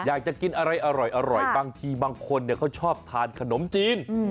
อยากจะกินอะไรอร่อยบางทีบางคนเขาชอบทานขนมจีน